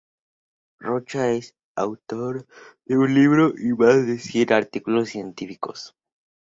Rocha es autor de un libro y más de cien artículos científicos.